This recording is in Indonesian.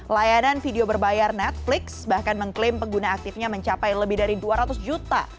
layanan video berbayar netflix bahkan mengklaim pengguna aktifnya mencapai lebih dari dua ratus juta